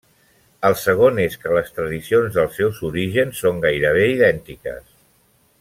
El segon és que les tradicions dels seus orígens són gairebé idèntiques.